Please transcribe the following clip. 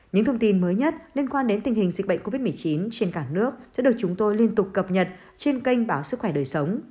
những thông tin mới nhất liên quan đến tình hình dịch bệnh covid một mươi chín trên cả nước sẽ được chúng tôi liên tục cập nhật trên kênh báo sức khỏe đời sống